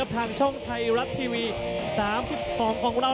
ทางช่องไทยรัฐทีวี๓๒ของเรา